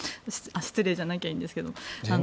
失礼じゃなきゃいいですけど。